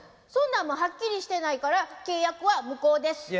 そんなんもはっきりしてないから契約は無効です。